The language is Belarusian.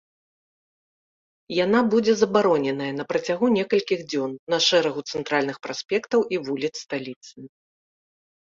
Яна будзе забароненая на працягу некалькіх дзён на шэрагу цэнтральных праспектаў і вуліц сталіцы.